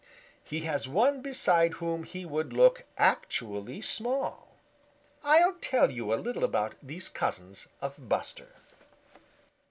He has one beside whom he would look actually small. I'll tell you a little about these cousins of Buster."